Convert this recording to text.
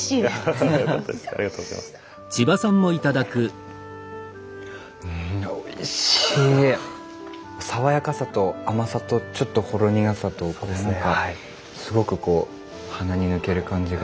爽やかさと甘さとちょっとほろ苦さと何かすごくこう鼻に抜ける感じが。